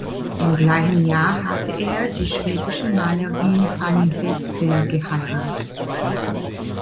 Im gleichen Jahr hatte er die schwedische Malerin Fanny Westberg geheiratet.